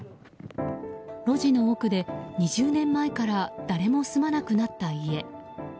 路地の奥で、２０年前から誰も住まなくなった家。